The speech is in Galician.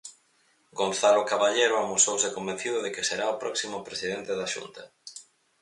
Gonzalo Caballero amosouse convencido de que será o próximo presidente da Xunta.